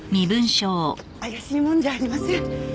怪しい者じゃありません。